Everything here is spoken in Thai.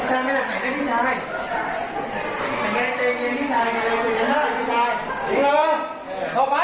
ครูกัดสบัติคร้าว